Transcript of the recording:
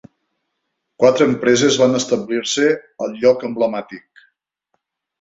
Quatre empreses van establir-se al lloc emblemàtic.